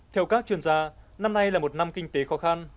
theo các chuyên gia năm nay là một năm kinh tế khó khăn